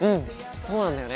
そうなんだよね。